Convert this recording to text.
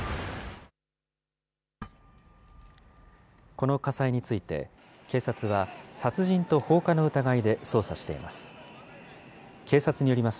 この火災について、警察は、殺人と放火の疑いで捜査しています。